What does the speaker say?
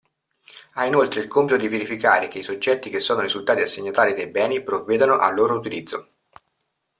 Ha inoltre il compito di verificare che i soggetti che sono risultati assegnatari dei beni, provvedano al loro utilizzo.